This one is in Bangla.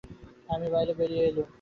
আমি বাইরে বেরিয়ে এলুম।